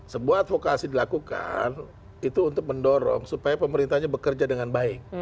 sebuah advokasi dilakukan itu untuk mendorong supaya pemerintahnya bekerja dengan baik